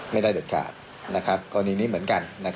ไม่ได้เดิดขาดกรณีนี้เหมือนกัน